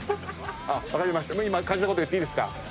今感じたこと言っていいですか。